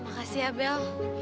makasih ya bel